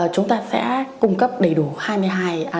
chúng ta sẽ cung cấp đầy đủ các chất đường đơn và đường đôi